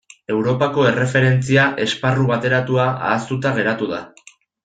Europako Erreferentzia Esparru Bateratua ahaztuta geratu da.